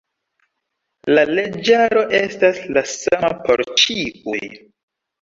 La leĝaro estas la sama por ĉiuj.